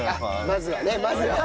まずはねまずは。